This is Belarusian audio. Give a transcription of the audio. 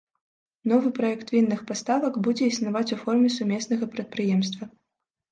Новы праект вінных паставак будзе існаваць у форме сумеснага прадпрыемства.